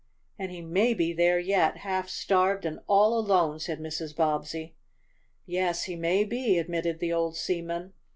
"And he may be there yet, half starved and all alone," said Mrs. Bobbsey. "Yes, he may be," admitted the old seaman.